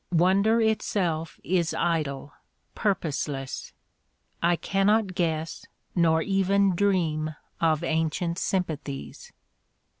Wonder itself is idle, purposeless; I cannot guess Nor even dream of ancient sympathies.